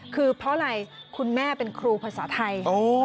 คือเพราะอะไรคุณแม่เป็นครูภาษาไทย